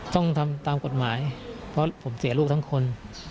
ต้องทำตามกฎหมายเพราะผมเสียลูกทั้งคน